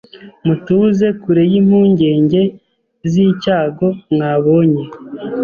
mutuze kure y’impungenge z’icyago mwabonye